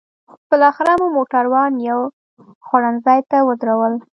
بالاخره مو موټران یو خوړنځای ته ودرول.